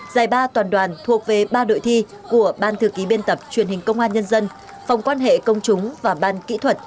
giải ba toàn đoàn thuộc về ba đội thi của ban thư ký biên tập truyền hình công an nhân dân phòng quan hệ công chúng và ban kỹ thuật